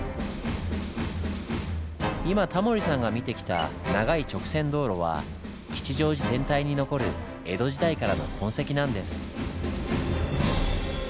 今タモリさんが見てきた長い直線道路は吉祥寺全体に残る江戸時代からの痕跡なんです。